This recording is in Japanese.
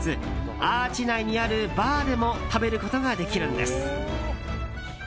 ＡＲＣＨ内にあるバーでも食べることができるんです。